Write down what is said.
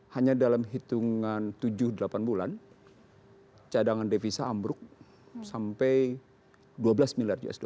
hanya dalam hitungan tujuh delapan bulan cadangan devisa ambruk sampai dua belas miliar usd